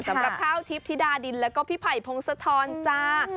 สำหรับข้าวทิพย์ธิดาดินแล้วก็พี่ไผ่พงศธรจ้า